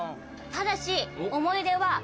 ただし。